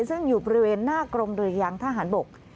ซึ่งอยู่บริเวณหน้ากรมเรือยางทหารบก